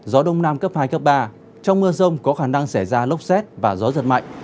gió đông nam cấp hai cấp ba trong mưa rông có khả năng xảy ra lốc xét và gió giật mạnh